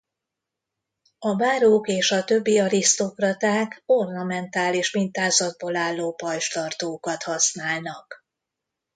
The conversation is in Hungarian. A bárók és a többi arisztokraták ornamentális mintázatból álló pajzstartókat használnak.